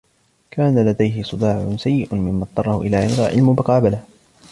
كان لديهِ صداع سيء مما اضطرهُ الى إلغاء المقابلة.